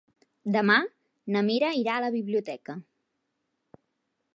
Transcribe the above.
Demà na Mira irà a la biblioteca.